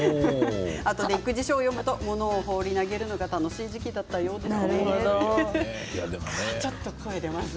育児書を読むと、物を放り投げるのが楽しい時期だったようです。